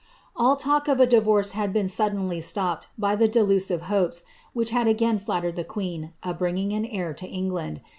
& of a divorce had been suddenly stopped by tlie delusive hopes, id again flattered the queen, of bringing an heir to England